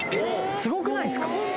すごくないですか？